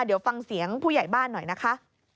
เดี๋ยวฟังเสียงผู้ใหญ่บ้านหน่อยนะคะ